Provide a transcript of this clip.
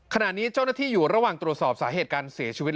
ขณะนี้เจ้าหน้าที่อยู่ระหว่างตรวจสอบสาเหตุการเสียชีวิต